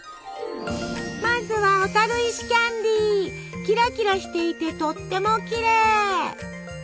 まずはキラキラしていてとってもきれい！